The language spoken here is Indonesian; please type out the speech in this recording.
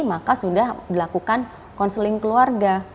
maka sudah dilakukan konseling keluarga